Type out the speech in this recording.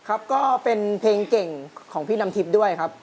ก็เป็นเพลงเก่งของพี่น้ำทิพย์ด้วยครับ